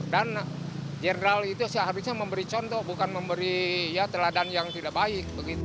dan general itu seharusnya memberi contoh bukan memberi jurnal ini saya sendiri saya sendiri conservatives dan para para akusnya saya sendiri